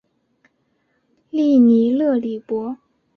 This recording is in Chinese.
利尼勒里博。